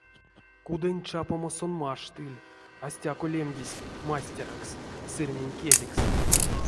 Кудонь чапомо сон маштыль, а стяко лемдизь мастерэкс — сырнень кедекс.